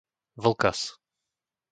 Vlkas